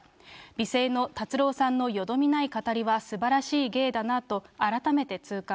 美声の達郎さんのよどみのない語りは、すばらしい芸だなと、改めて痛感。